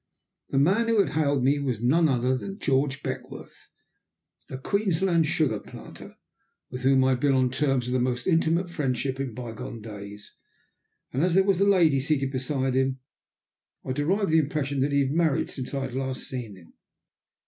The man who had hailed me was none other than George Beckworth, a Queensland sugar planter, with whom I had been on terms of the most intimate friendship in bygone days. And as there was a lady seated beside him, I derived the impression that he had married since I had last seen him.